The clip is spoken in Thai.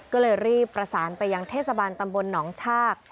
ก็เลยรีบประสานไปยังเทศบาลตำบลหนองชาก